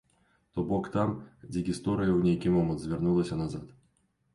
То бок там, дзе гісторыя ў нейкі момант звярнулася назад.